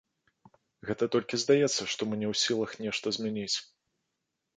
Гэта толькі здаецца, што мы не ў сілах нешта змяніць.